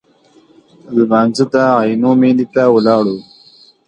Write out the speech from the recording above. لمانځه ته عینومېنې ته ولاړو.